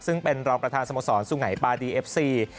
ซึ่งเป็นรองประธานสโมสรสุไงปาดีเอฟซี